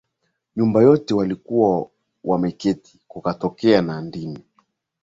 nyumba yote waliyokuwa wameketi Kukatokea na ndimi